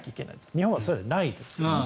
日本はそれがないです。